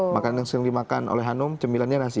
makanan yang sering dimakan oleh hanum cemilannya nasi